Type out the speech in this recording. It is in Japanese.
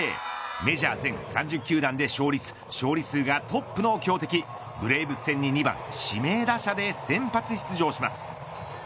メジャー全３０球団で勝率、勝利数がトップの強敵ブレーブス戦に２番指名打者で先発出場します。